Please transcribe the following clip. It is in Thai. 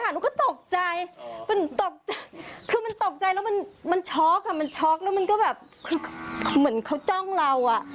หนูก็ตกใจมันตกใจคือมันตกใจแล้วมันช็อกอ่ะมันช็อกแล้วมันก็แบบเหมือนเขาจ้องเราอ่ะ